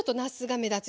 目立つ。